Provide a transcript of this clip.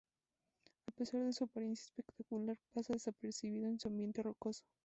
A pesar de su apariencia espectacular pasa desapercibido en su ambiente rocoso.